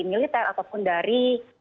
militer ataupun dari